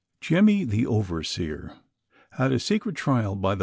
ijEMMY, the overseer, had a secret trial by the.